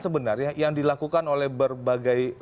sebenarnya yang dilakukan oleh berbagai